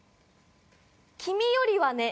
「君よりはね」。